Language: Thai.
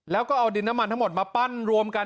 แล้วก็เอาดินน้ำมันทั้งหมดมาปั้นรวมกัน